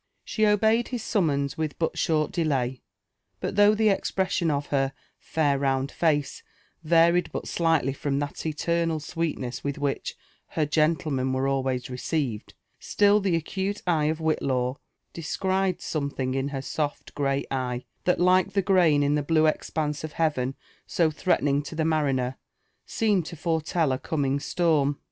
She obeyed his summons with but short delay ; but though the ^presaion of her '* fair round face" varied but slighlly from thai eternal sweetness with which *' her gentlemen" were always received, still the acute eye of Whitlaw descried something in her soft grey eye, that, like the grain in the blue expanse of heaven so threatening to the mariner, seemed to foretell a coming storm.